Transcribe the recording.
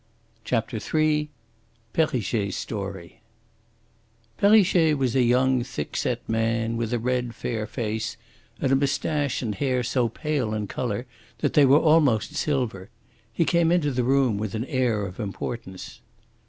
CHAPTER III PERRICHET'S STORY Perrichet was a young, thick set man, with a red, fair face, and a moustache and hair so pale in colour that they were almost silver. He came into the room with an air of importance.